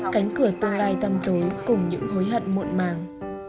cánh cửa tương lai tăm tố cùng những hối hận muộn màng